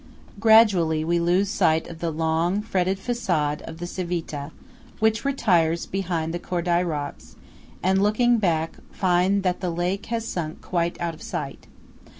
Gradually we lose sight of the long, fretted façade of the Civita, which retires behind the Coldai rocks, and, looking back, find that the lake has sunk quite out of sight.